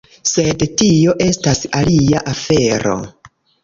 Sed tio estas alia afero.